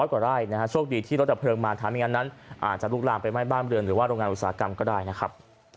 ขอบคุณครับ